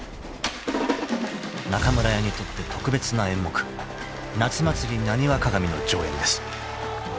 ［中村屋にとって特別な演目『夏祭浪花鑑』の上演です］